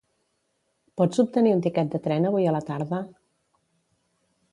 Pots obtenir un tiquet de tren avui a la tarda?